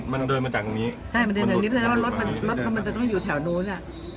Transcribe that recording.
มันเดินมาจากตรงนี้เพราะว่ารถมันจะต้องอยู่แถวนู้น